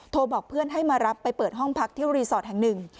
บอกเพื่อนให้มารับไปเปิดห้องพักที่รีสอร์ทแห่งหนึ่ง